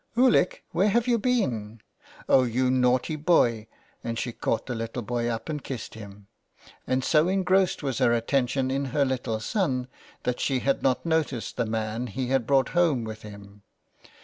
" Ulick, where have you been ? Oh, you naughty boy,'' and she caught the little boy up and kissed him. And so engrossed was her attention in her little son that she had not noticed the man he had brought home with him.